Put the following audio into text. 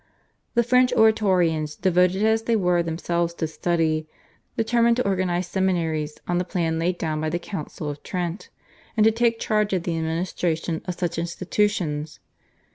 The French Oratorians, devoted as they were themselves to study, determined to organise seminaries on the plan laid down by the Council of Trent, and to take charge of the administration of such institutions.